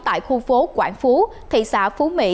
tại khu phố quảng phú thị xã phú mỹ